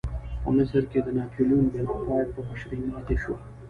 په مصر کې د ناپلیون بناپارټ په مشرۍ ماتې شوه.